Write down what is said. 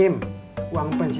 bukannya apa apa im